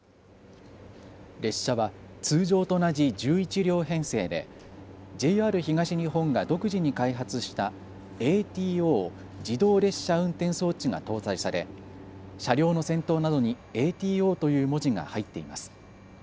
列車は通常と同じ１１両編成でＪＲ東日本が独自に開発したＡＴＯ・自動列車運転装置が搭載され、車両の先頭などにＡＴＯという文字が入っています。